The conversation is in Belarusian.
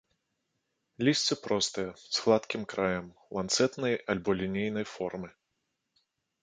Лісце простае, з гладкім краем, ланцэтнай альбо лінейнай формы.